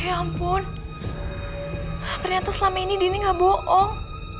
ya ampun ternyata selama ini dini gak bohong